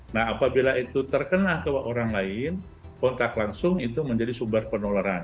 nah apabila itu terkena ke orang lain kontak langsung itu menjadi sumber penularan